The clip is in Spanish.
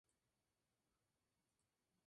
Doctor en teología.